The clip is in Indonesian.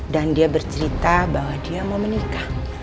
dan dia bercerita bahwa dia mau menikah